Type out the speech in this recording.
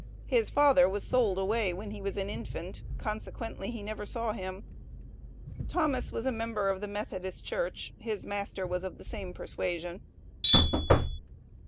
His father was sold away when he was an infant, consequently he never saw him. Thomas was a member of the Methodist Church; his master was of the same persuasion.